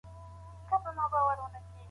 ملا بانګ د سهار د لمانځه لپاره چمتووالی ونیو.